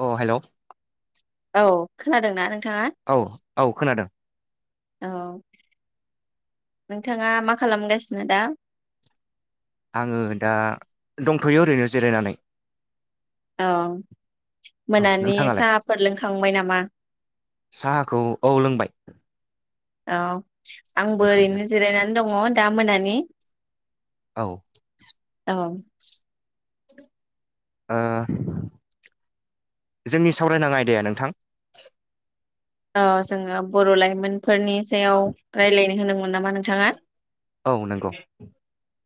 औ हेल' औ खोनादोंना नों औ औ खोनादों औ नोंथाङा मा खालामगासिनो दा आङो दा दंथ'यो ओरैनो जिरायनानै औ औ मोनानि नोंथाङालाय साहाफोर लोंखांबाय नामा साहाखौ औ लोंबाय औ आंबो लोंखांनाय ओरैनो जाबाय जिरायनानै दङ दा मोनानि औ अ ओ जोंनि सावरायनां आयदाया नोंथां ओ जोङो बर' लाइमोन फोरनि सायाव रायलायनो गोनां नामा नोंथाङा? औ नंगौ।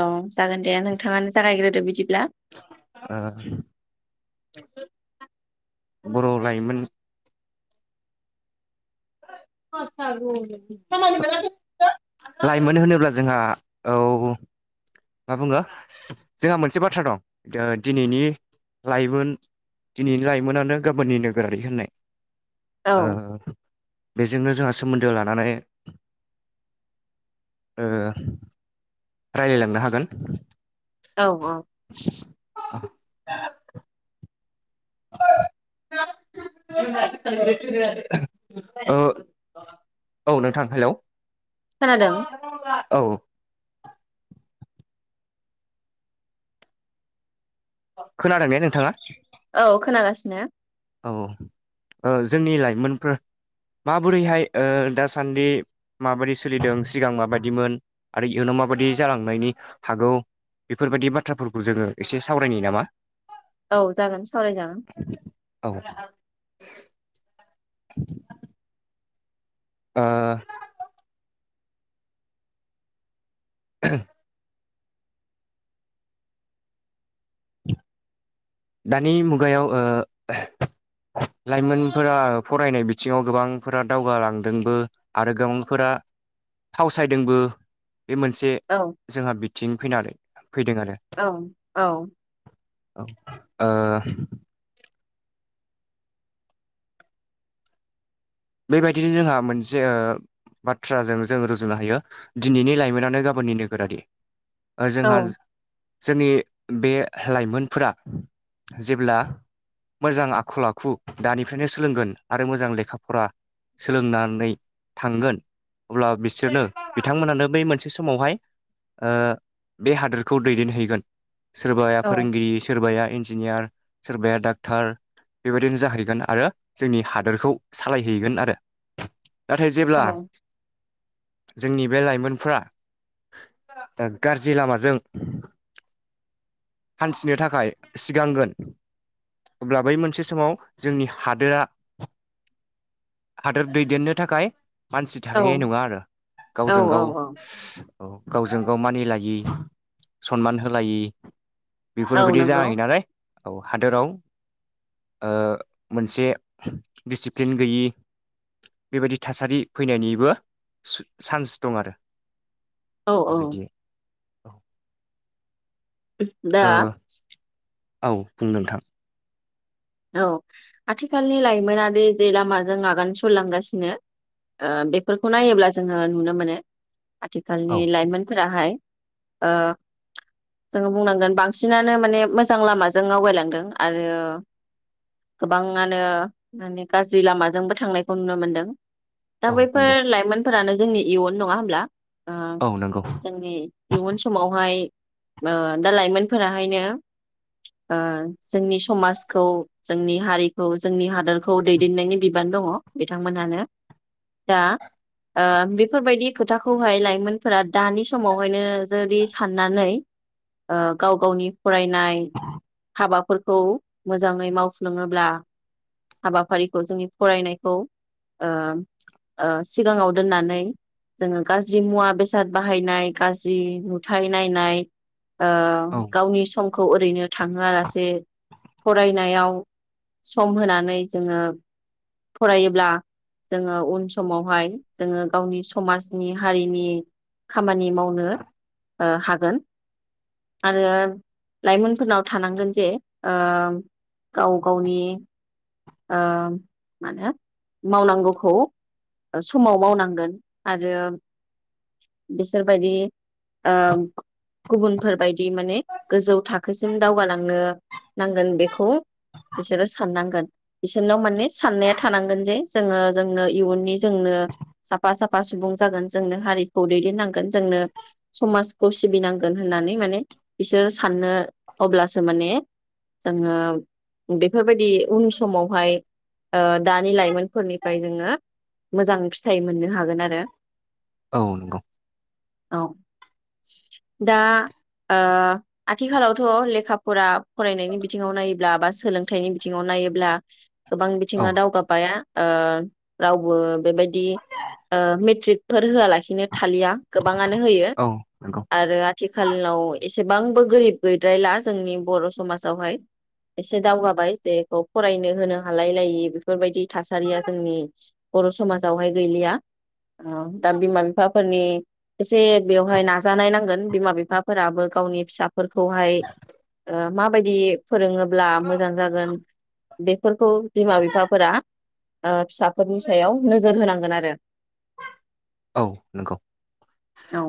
औ जागोन दे नोंथाङानो जागायग्रोदो बिदिब्ला ओ बर' लाइमोन [unintelligible] लाइमोन होनोब्ला जोंहा औ मा बुङो जोंहा मोनसे बाथ्रा दं ओ दिनैनि लाइमोन दिनैनि लाइमोनानो गाबोननि नोगोरारि होननाय। औ ओ बेजोंनो जोंहा सोमोन्दो लानानै ओ रायलायलांनो हागोन। औ औ। [unintelligible] [unintelligible] ओ औ नोंथां हेलौ। खोनादों औ। खोनादों ने नोंथाङा? औ खोनागासिनो। औ ओ जोंनि लाइमोनफोर माबोरैहाय ओ दासान्दि माबादि सोलिदों सिगां माबादिमोन आरो इयुनाव माबादि जालांनायनि हागौ बेफोरबादि बाथ्राफोरखौ जोङो एसे सावरायनो नामा? औ जागोन सावरायजागोन। औ। [inaudible] ओ। [unintelligible] दानि मुगायाव ओ लाइमोनफोरा फरायनाय बिथिङाव गोबांफोरा दावगालांदोंबो आरो गोबांफोरा फावसायदोंबो। बे मोनसे औ जोंहा बिथ थिं फैनानै फैदों आरो औ औ। औ। ओ। बेबायदिनो जोंहा मोनसे ओ बाथ्राजों जों रुजुनो हायो दिनैनि लाइमोनानो गाबोननि नोगोरारि। ओ औ जोंहा ज जोंनि बे लाइमोनफोरा जेब्ला मोजां आखल आखु दानिफ्रायनो सोलोंगोन आरो मोजां लेखा फरा सोलोंनानै थांगोन अब्ला बिसोरनो बिथांमोनानो बै मोनसे समावहाय ओ बे हादोरखौ दैदेनहैगोन। सोरबाया औ फोरोंगिरि सोरबाया इन्जिनियार सोरबाया डाक्थार बेबायदिनो जाहैगोन आरो जोंनि हादोरखौ सालाय हैगोन आरो नाथाय जेब्ला। जोंनि बे लाइमोनफ्रा गाज्रि लामाजों। हान्थिनो थाखाय सिगांगोन अब्ला बै मोनसे समाव जोंनि हादोरा हादोर दैदेननो थाखाय। मानसि औ थाहैनाय नङा आरो गावजों औ गाव औ औ गावजों गाव मानिलायि सनमान होलायि। औ बेफोरबायदि नंगौ जाहै नालाय। औ हादोराव मोनसे दिसिप्लिन गैयि बेबायदि थासारि फैनायनिबो चान्स औ औ। औ। दा। औ बुं नोंथां। औ आथिखालनि लाइमोन बे जे लामाजों आगान सुरलांगासिनो बेफोरखौ नायोब्ला जोङो नुनो मोनो। औ आथिखालनि लाइमोनफोर फोराहाय ओ जोङो बुंनांगोन बांसिनानो माने मोजां लामाजों आवगायलांदों आरो गोबांआनो माने गाज्रि लामाजोंबो थांनायखौ नुनो मोनदों। दा औ बैफोर नंगौ लाइमोन फोरानो जोंनि इयुन नङा होमब्ला? ओ औ नंगौ जोंनि इयुन समावहाय दा लाइमोनफोराहायनो ओ जोंनि समाज खौ जोंनि हारिखौ जोंनि हादरखौ दैदेननायनि बिबान दङ बिथांमोनहानो दा बेफोरबायदि खोथाखौहाय लाइमोनफोरा दानि समावहायनो जुदि साननानै गाव गावनि फरायनाय हाबाफोर औ मोजाङै मावफ्लुङोब्ला हाबाफारिखौ जोंनि फरायनायखौ ओम ओ सिगाङाव दोननानै जोङो गाज्रि मुवा बेसाद बाहायनाय गाज्रि नुथाय नायनाय ओ औ गावनि सम खौ ओरैनो थांहोआलासे फरायनायाव सम होनानै जोङो। फरायोब्ला जोङो उन समावहाय जोङो गावनि समाजनि हारिनि खामानि मावनो ओ हागोन आरो लाइमोनफोरनाव थानांगोन जे ओ गाव गावनि ओ मा होनो मावनांगौखौ समाव मावनांगोन आरो बिसोरबायदि आ गुबुनफोरबायदि माने गोजौ थाखोसिम दावगालांनो नांगोन बेखौ बिसोरो साननांगोन बिसोरनाव माने साननाया थानांगोन जे जोङो जोंनो इयुननि जोंनो साफा साफा सुबुं जागोन जोंनो हारिखौ दैदेननांगोन जोंनो समाजखौ सिबिनांगोन होननानै माने बिसोरो साननो अब्लासो माने जोङो बेफोरबायदि उन समावहाय ओ दानि लाइमोनफोरनिफ्राय जोङो मोजां फिथाइ मोननो हागोन आरो औ नंगौ। औ दा ओ आथिखालावथ' लेखा फरा फरायनायनि बिथिङाव नायोब्ला बा सोलोंथाइनि बिथिङाव नायोब्ला गोबां औ बिथिङा दावगाबाया ओ रावबो बेबायदि ओ मेट्रिकफोर होआ लाखिनो थालिया गोबां आनो होयो औ नंगौ आरो आ थिखालाव एसेबांबो गोरिब गैद्रायला जोंनि बर' समाजावहाय एसे दावगाबाय जेखौ फरायनो होनो हालाय लायि बेफोरबायदि थासारिया जोंनि बर' समाजावहाय गैलिया। दा बिमा बिफाफोरनि एसे बेवहाय नाजानाय नांगोन बिमा बिफाफोराबो गावनि फिसाफोरखौहाय माबायदि फोरोङोब्ला मोजां जागोन बेफोरखौ बिमा बिफाफोरा ओ फिसाफोरनि सायाव नोजोर होनांगोन आरो औ नंगौ औ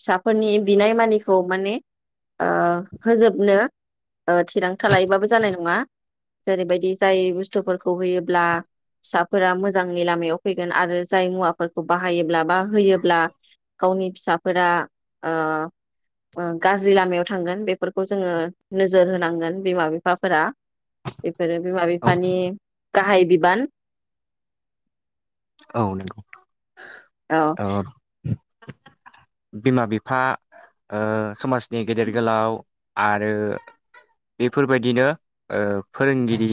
फिसाफोरनि बिनाय मानिखौ माने ओ होजोबनो ओ थिरांथा लायोबाबो जानाय नङा। जेरैबायदि जाय बुस्थुफोरखौ होयोब्ला फिसाफोरा मोजांनि लामायाव फैगोन आरो जाय मुवाफोरखौ बाहायोब्ला बा होयोब्ला गावनि फिसाफोरा ओ गाज्रि ओ लामायाव थांगोन बेफोरखौ जोङो नोजोर होनांगोन बिमा बिफाफोरा बेफोरो बिमा औ बिफानि गाहाय बिबान। औ नंगौ औ ओ बिमा बिफा ओ समाज नि गेदेर गोलाव आरो बेफोरबायदिनो ओ फोरोंगिरि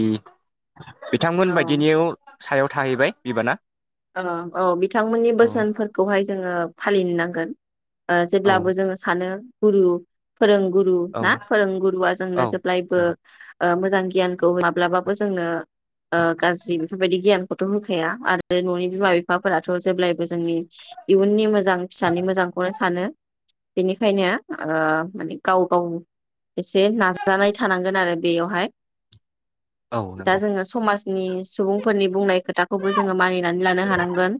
बिथांमोन औ बायदिनियाव सायाव थाहैबाय बिबाना। औ औ बिथांमोननि औ बोसोनफोरखौहाय जोङो फालिनो नांगोन। ओ औ जेब्लाबो जोङो सानो गुरु फोरोंगुरु औ ना फोरोंगुरुआ जोंनो औ जेब्लायबो नंगौ मोजां गियानखौ माब्लाबाबो जोंनो ओगाज्रि बेफोरबायदि गियानखौथ' होखाया आरो न'नि बिमा बिफाफोराथ' जेब्लायबो जोंनि इयुननि मोाजां मोजां फिसानि मोजांखौनो सानो। बेनिखायनो माने गाव गाव एसे नाजानाय थानांगोन आरो बेयावहाय औ दा नंगौ जोङो समाज नि सुबुंफोरनि बुंनाय खोथाखौबो जों जो मानिनानै लानो हानांगोन।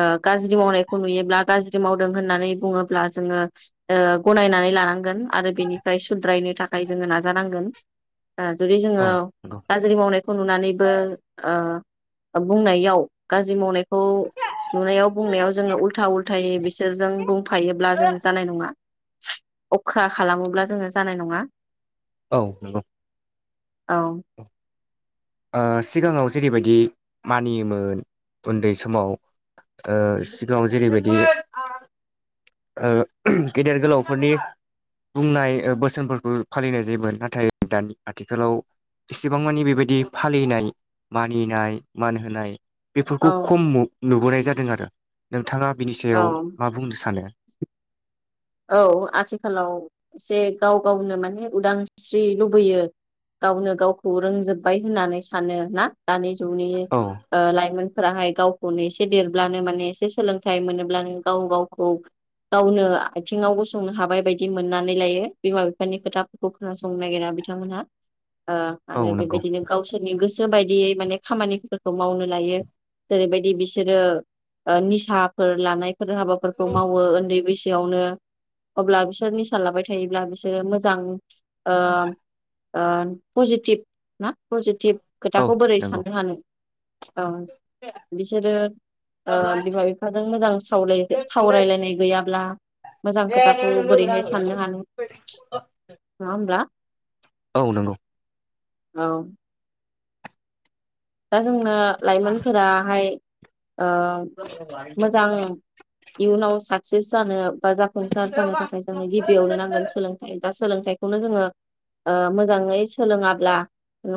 ओ गाज्रि मावनायखौ नुयोब्ला गाज्रि मावदों होननानै बुङोब्ला जोङो ओ गनायनानै लानांगोन आरो बेनिफ्राय सुद्रायनो थाखाय जोङो नाजानांगोन ओ जुदि जोङो औ नंगौ गाज्रि मावनायखौ नुनानैबो ओ बुंनायाव गाज्रि मावनाय खौ नुनायाव बुंनायाव जोङो उल्था उल्थायै बिसोरजों बुंफायोब्ला जोङो जानाय नङा। अख्रा खालामोब्ला जोङो जानाय नङा औ नंगौ। औ ओ सिगाङाव जेरैबायदि मानियोमोन उन्दै समाव ओ सिगाङाव जेरैबायदि ओ गेदेर गोलावफोरनि बुंनाय बोसोनफोरखौ फालिनाय जायोमोन नाथाय दानि आथिखालाव एसेबां मानि बेबायदि फालिनाय मानिनाय मान होनाय बेफोरखौ औ खम नुबोनाय जादों दों आरो नोंथाङा बिनि सायाव औ मा बुंनो सानो? [unintelligible] औ आथिखालाव एसे गाव गावनो माने उदांस्रि लुबैयो गावनो गावखौ रोंजोब्बाय होननानै सानो ना? दानि जुगनि औ ओ लाइमोन। फोराहाय गावखौनो एसे देरब्लानो माने एसे सोलोंथाइ मोनोब्लानो गाव गावखौ गावनो आथिङावबो संनो हाबाय बायदि मोननानै लायो बिमा बिफानि खोथाफोरखौ खोनासंनो नागिरा बिथांमोनहा औ आङो नंगौ बेबायदिनो गावसोरनि गोसो गोसो बायदियै माने खामानिफोरखौ मावनो लायो जेरैबायदि बिसोरो निसाफोर लानाय हाबाफोरखौ मावो उन्दै बैसो सोयावनो अब्ला बिसोर निसा लाबाय थायोब्ला बिसोरो मोजां पजिटिभ ना पजिटिभ औ खोथाखौ बोरै नंगौ साननो हानो औ बिसोरो औ नंगौ बिमा बिफाजों मोजां साव सावरायलायनाय गैयाब्ला मोजां खोथाखौ बोरैहाय साननो हानो नङा होमब्ला औ नंगौ औ दा जोंनो लाइमोनफोराहाय ओ मोजां इयुनाव सा जे सानो बा जाफुंसार जानो थाखाय जोंनो गिबियावनो नांगोन सोलोंथाइ। दा सोलोंथाइ खौनो जोङो ओ मोजाङै सोलोङाब्ला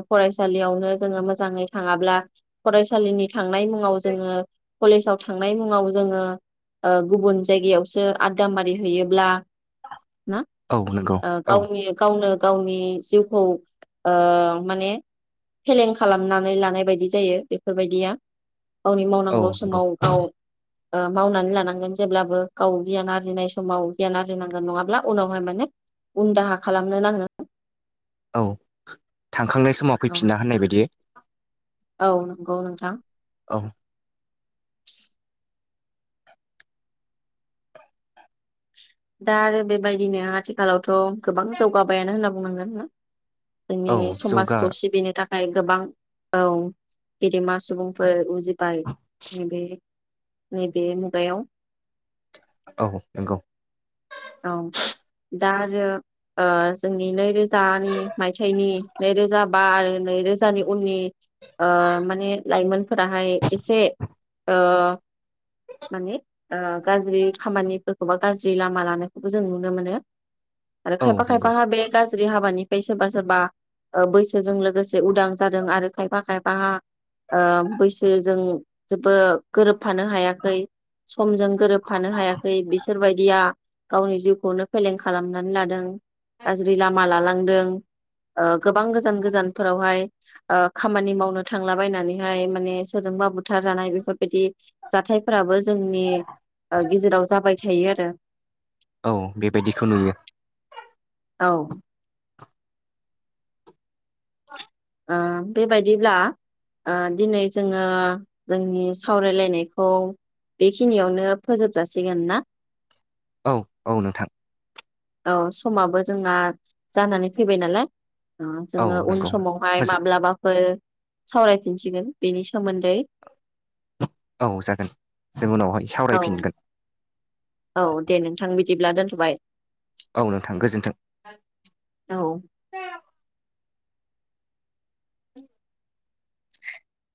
फरायसालियावनो जोङो मोजाङै थाङाब्ला फरायसालिनि थांनाय मुङाव जोङो कलेजाव थांनाय मुङाव जोङो ओ गुबुन जायगायावसो आदामारि हैयोब्ला ना? नंगौ औ गावनि गावनो गावनि जिउखौ ओ माने फेलें खालामना नानै लानाय बायदि जायो बेफोरबायदिया। गावनि औ मावनांगौ नंगौ समाव गाव ओ मावनानै लानांगोन जेब्लाबो गाव गियान आरजिनाय समाव गियान आरजिनांगोन नङाब्ला उनावहाय माने उन दाहा खालामनो नाङो। औ। थांखांनाय समाव औ फैफिनना होननाय बायदि औ नंगौ नोंथां। औ। दा आरो बेबायदिनो आथिखालावथ' गोबां जौगाबायानो होनना बुंनांगोन हो? जोंनि औ जौगा समाजखौ सिबिनो था नाय गोबां औ गेदेमा सुबुंफोर उजि बाय नैबे नैबे मुगायाव। औ नंगौ। औ दा आरो ओ जोंनि नैरोजानि मायथाइनि नैरोजा बा आरो नैरोजानि उननि ओ माने लाइमोनफोराहाय एसे ओ माने ओ गाज्रि खामानिफोरखौ बा गाज्रि लामा लानाय बो जों नुनो मोनो। आरो औ खायफा नंगौ खायफाहा बे गाज्रि हाबानि बै सोरबा सोरबा ओं बैसोजों लोगोसे उदां जादों आरो खायफा खायफाहा ओ बैसोजों जोब्बो गोरोब फानो हायाखै समजों गोरोबफानो हायाखै बिसोरबायदिया गावनि जिउखौनो फेलें खालामनानै लादों। गाज्रि लामा लालां दों। ओ गोबां गोजान गोजानफोरावहाय ओ खामानि मावनो थांलाबायनानैहाय माने सोरजोंबा बुथार जानाय बेफोरबायदि जाथायफोराबो जोंनि ओ गेजेराव जाबाय थायो आरो। औ बेबायदिखौ नुयो। औ। ओ बेबायदिब्ला ओं दिनै जोङो जोंनि सावरायलायनायखौ बेखिनियावनो फोजोबजासिगोन ना? औ औ नोंथां। औ समाबो जोंना जानानै फैबाय नालाय। ओ औ जोङो उन नंगौ समाव फोजोब माब्लाबाफोर सावरायफिनसिगोन बेनि सोमोन्दै। औ जागोन जों उनावहाय औ सावरायफिनगोन। औ दे नोंथां बिदिब्ला दोनथ'बाय। औ नोंथां गोजोन्थों। औ।